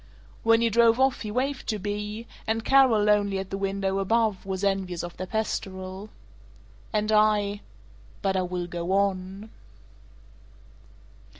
When he drove off he waved to Bea; and Carol, lonely at the window above, was envious of their pastoral. "And I But I will go on."